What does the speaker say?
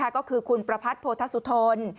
ก็คือคุณประพัทธ์โพธสุทน